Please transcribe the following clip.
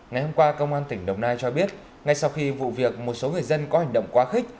ngày hôm qua công an tỉnh đồng nai cho biết ngay sau khi vụ việc một số người dân có hành động quá khích